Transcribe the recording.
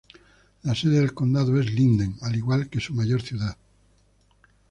La sede del condado es Linden, al igual que su mayor ciudad.